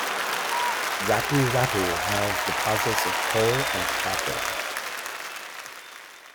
Rapu-Rapu have deposits of coal and copper.